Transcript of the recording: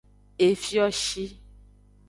Efioshi.